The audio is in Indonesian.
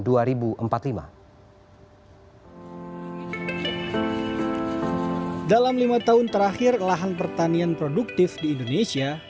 dalam lima tahun terakhir lahan pertanian produktif di indonesia